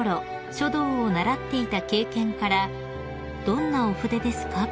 書道を習っていた経験から「どんなお筆ですか？」